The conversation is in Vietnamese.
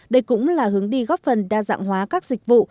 đây cũng là hướng đi góp phần đa dạng hóa các dịch vụ